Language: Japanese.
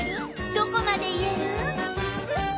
どこまで言える？